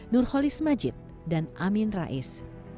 nurholis majid dan amin rais